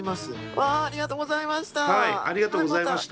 わあありがとうございました。